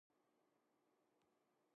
室蘭市長の青山剛です。